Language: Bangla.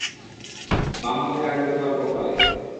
বাম হাত রাখবে তোমার কপালে।